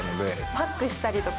パックしたりとか？